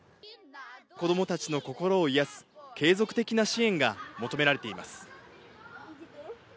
子どもたちの心を癒やす継続的な支援が求められています。